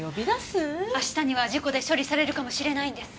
明日には事故で処理されるかもしれないんです。